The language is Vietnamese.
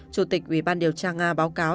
chủ tịch ủy ban điều tra nga báo cáo